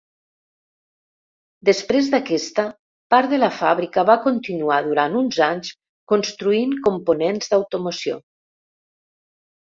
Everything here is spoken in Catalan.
Després d'aquesta, part de la fàbrica va continuar durant uns anys construint components d'automoció.